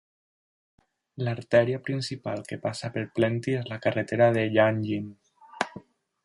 L'artèria principal que passa per Plenty és la carretera de Yan Yean.